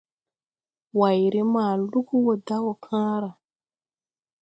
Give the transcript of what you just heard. Wayre ma lug wo da woo kããra.